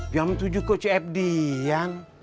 jam tujuh kok cfd ya